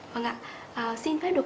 vâng ạ xin phép được